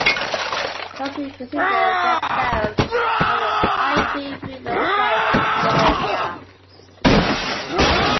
Those who consider themselves part of the hyphy movement strive for this behavior.